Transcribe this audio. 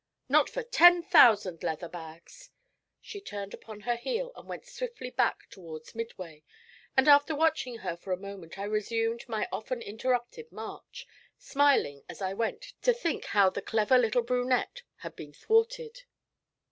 Not for ten thousand leather bags!' She turned upon her heel and went swiftly back towards Midway, and after watching her for a moment I resumed my often interrupted march, smiling as I went to think how the clever little brunette had been thwarted.